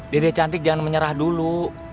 dirinya cantik jangan menyerah dulu